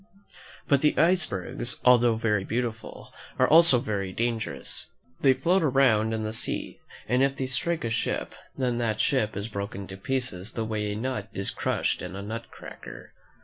But the icebergs, although very beautiful, are also very dangerous. They float around in the sea, and if they strike a ship, then that ship is broken to pieces the way a nut is crushed in a nut cracker.